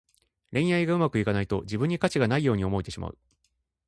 恋愛がうまくいかないと、自分に価値がないように思えてしまう。